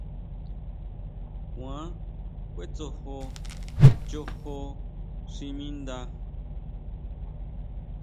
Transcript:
Kuan kʼuetsojo chojo xi mi ndá.